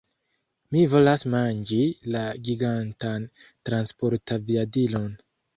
Mi volas manĝi la gigantan transportaviadilon!